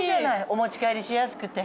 お持ち帰りしやすくて。